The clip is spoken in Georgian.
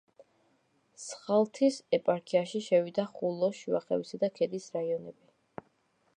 სხალთის ეპარქიაში შევიდა ხულოს, შუახევისა და ქედის რაიონები.